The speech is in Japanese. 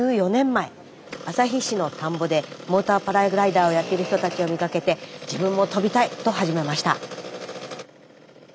旭市の田んぼでモーターパラグライダーをやっている人たちを見かけて「自分も飛びたい」と始めました。